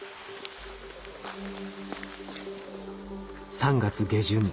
３月下旬